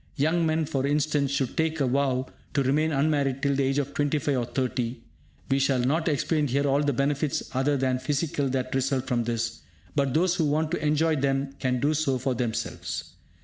Young men, for instance, should take a vow to remain unmarried till the age of 25 or 30. We shall not explain here all the benefits other than physical that result from this; but those who want to enjoy them can do so for themselves.